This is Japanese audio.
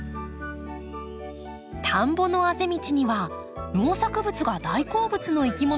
田んぼのあぜ道には農作物が大好物のいきものたちがいました。